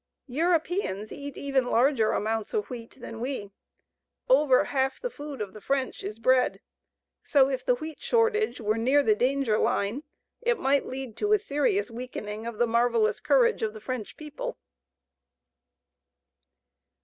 Europeans eat even larger amounts of wheat than we. Over half the food of the French is bread, so if the wheat shortage were near the danger line, it might lead to a serious weakening of the marvellous courage of the French people.